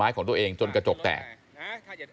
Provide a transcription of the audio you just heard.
ถ้าเขาถูกจับคุณอย่าลืม